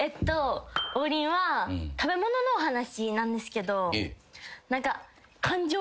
王林は食べ物のお話なんですけど何か。